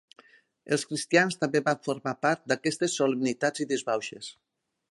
Els cristians també van formar part d'aquestes solemnitats i disbauxes.